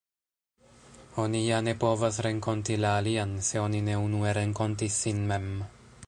Oni ja ne povas renkonti la alian, se oni ne unue renkontis sin mem.